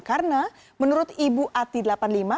karena menurut ibuati delapan puluh lima